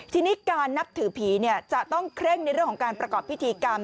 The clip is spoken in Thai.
ทีนี้การนับถือผีจะต้องเคร่งในเรื่องของการประกอบพิธีกรรม